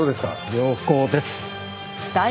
良好です。